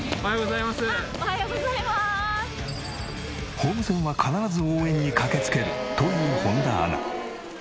ホーム戦は必ず応援に駆けつけるという本田アナ。